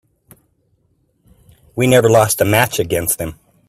We never lost a match against them.